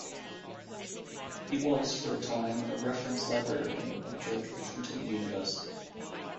He was for a time a reference librarian at George Washington University.